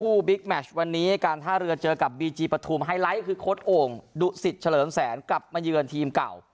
บิ๊กแมชวันนี้การท่าเรือเจอกับบีจีปฐุมไฮไลท์คือโค้ดโอ่งดุสิตเฉลิมแสนกลับมาเยือนทีมเก่า